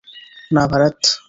না, ভারাথ।